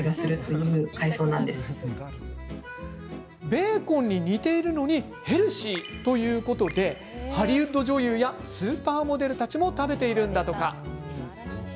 ベーコンに似ているのにヘルシーということでハリウッド女優やスーパーモデルたちも食べているんだとか。